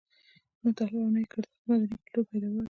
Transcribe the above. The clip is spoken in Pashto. نه طالب او نه یې کردار د مدني کلتور پيداوار دي.